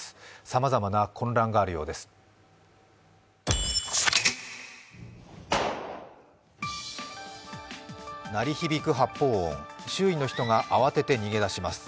さまざまな混乱があるようです。